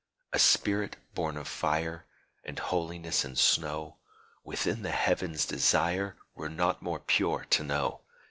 A spirit born of fire And holiness and snow Within the Heavens' desire, Were not more pure to know.